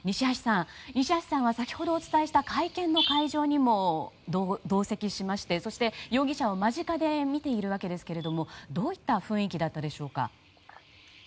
西橋さんは先ほどお伝えした会見の会場にも同席しましてそして、容疑者を間近で見ているわけですがどういった雰囲気だったでしょうか。